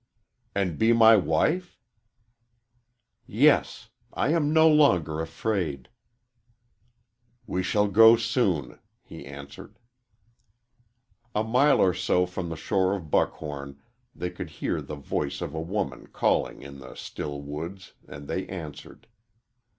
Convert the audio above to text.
"And be my wife?" "Yes. I am no longer afraid." "We shall go soon," he answered. A mile or so from the shore of Buckhom they could hear the voice of a woman calling in the still woods, and they answered.